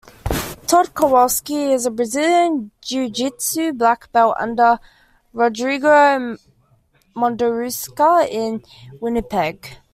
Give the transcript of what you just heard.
Todd Kowalski is a Brazilian jiu-jitsu black belt under Rodrigo Mundaruca in Winnipeg.